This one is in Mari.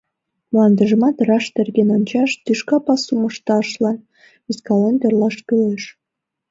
Мландыжымат раш терген ончаш, тӱшка пасум ышташлан вискален тӧрлаш кӱлеш.